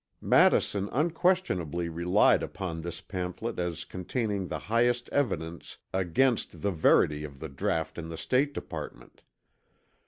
Madison unquestionably relied upon this pamphlet as containing the highest evidence against the verity of the draught in the State Department.